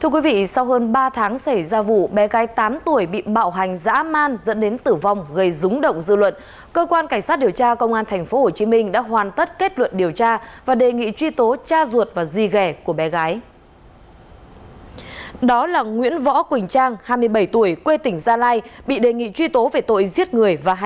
các bạn hãy đăng ký kênh để ủng hộ kênh của chúng mình nhé